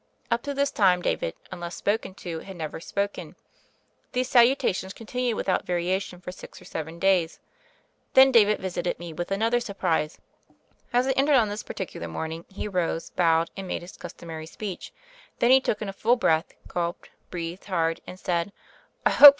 Up to this time, David, unless spoken to, had never spoken. These salutations con tinued without variation for six or seven days. Then David visited me with another surprise. As I entered on this particular morning, he arose, bowed, and made his customary speech; then he took in a full breath, gulped, breathed hard, and said: "I hope.